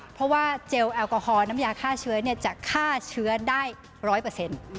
เพราะว่าเจลแอลกอฮอลน้ำยาฆ่าเชื้อจะฆ่าเชื้อได้ร้อยเปอร์เซ็นต์